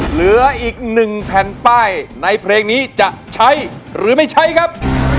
เหลืออีก๑แผ่นป้ายในเพลงนี้จะใช้หรือไม่ใช้ครับ